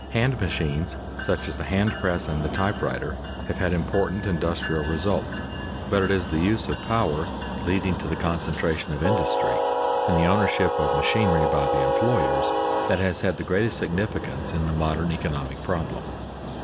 Hand machines, such as the hand press and the type writer, have had important industrial results, but it is the use of power leading to the concentration of industry and the ownership of machinery by the employers that has the greatest significance in the modern economic problem.